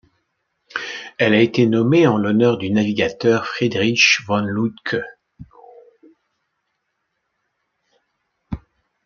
Elle a été nommée en l'honneur du navigateur Friedrich von Lütke.